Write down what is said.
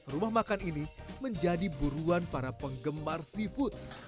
rumah makan ini menjadi buruan para penggemar seafood